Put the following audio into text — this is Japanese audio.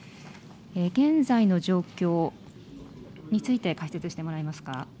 現在の状況について解説してもらえますか。